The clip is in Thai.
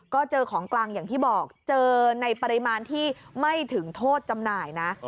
ก็เจอของกลางอย่างที่บอกเจอในปริมาณที่ไม่ถึงโทษจำหน่ายนะ